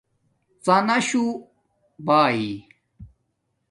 ڎاناشݸ باݺی